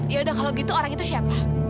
yaudah kalau gitu orang itu siapa